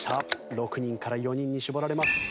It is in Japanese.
６人から４人に絞られます。